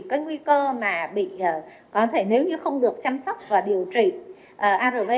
cái nguy cơ mà bị có thể nếu như không được chăm sóc và điều trị arv